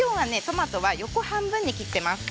トマトは横半分に切ってます。